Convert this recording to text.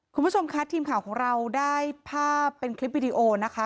คุณผู้ชมคะทีมข่าวของเราได้ภาพเป็นคลิปวิดีโอนะคะ